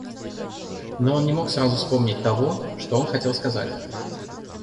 Но он не мог сразу вспомнить того, что он хотел сказать.